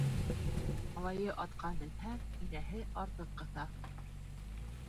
Малайы атҡа менһә, инәһе артын ҡыҫа.